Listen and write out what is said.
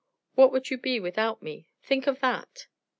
What would you be without me? Think of that."